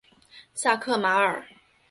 萨克马尔。